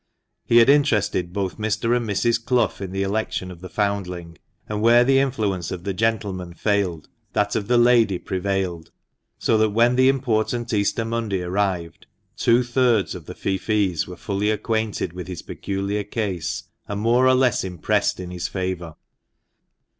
He had interested both Mr. and Mrs. Clough in the election of the foundling, and where the influence of the gentleman failed, that of the lady prevailed ; so that when the important Easter Monday arrived, two thirds of the feoffees were fully acquainted with his peculiar case, and more or less impressed in his favour.